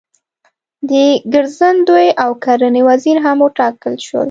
د ګرځندوی او کرنې وزیر هم وټاکل شول.